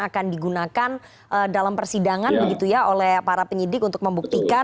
akan digunakan dalam persidangan begitu ya oleh para penyidik untuk membuktikan